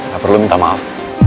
gak perlu minta maaf